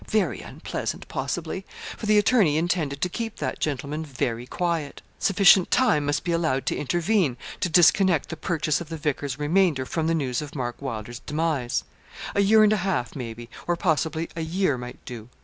Very unpleasant, possibly! For the attorney intended to keep that gentleman very quiet. Sufficient time must be allowed to intervene to disconnect the purchase of the vicar's remainder from the news of Mark Wylder's demise. A year and a half, maybe, or possibly a year might do.